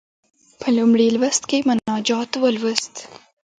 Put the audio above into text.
په لومړي لوست کې مناجات ولوست.